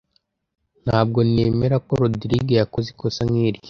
Ntabwo nemera ko Rogride yakoze ikosa nkiryo.